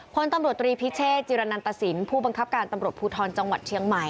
พลตำรวจตรีพิเชษจิรณันตสินผู้บังคับการตำรวจภูทรจังหวัดเชียงใหม่